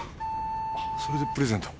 あっそれでプレゼントを。